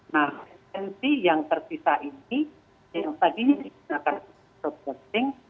nah frekuensi yang terpisah ini yang tadi kita akan sop sop sing